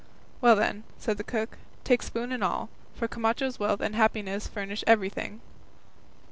"Well then," said the cook, "take spoon and all; for Camacho's wealth and happiness furnish everything."